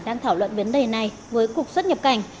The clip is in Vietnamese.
đang thảo luận vấn đề này với cục xuất nhập cảnh